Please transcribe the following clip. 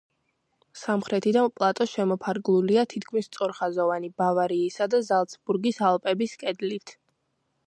სამხრეთიდან პლატო შემოფარგლულია, თითქმის, სწორხაზოვანი ბავარიისა და ზალცბურგის ალპების კედლით.